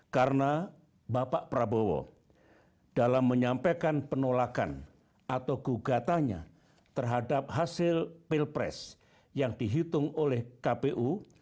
karena bapak prabowo dalam menyampaikan penolakan atau gugatannya terhadap hasil pilpres yang dihitung oleh kpu